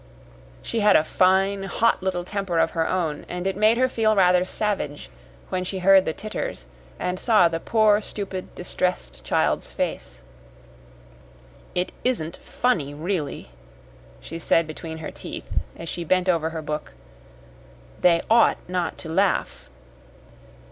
She had a fine, hot little temper of her own, and it made her feel rather savage when she heard the titters and saw the poor, stupid, distressed child's face. "It isn't funny, really," she said between her teeth, as she bent over her book. "They ought not to laugh."